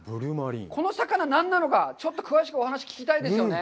この魚、何なのか、ちょっと詳しくお話を聞きたいですよね。